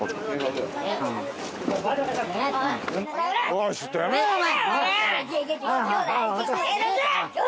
おいちょっとやめろお前！